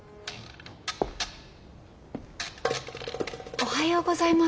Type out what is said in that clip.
おはようございます。